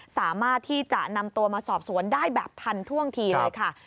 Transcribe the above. สามารถที่จะนำตัวมาสอบสวนได้แบบทันท่วงทีเลยค่ะ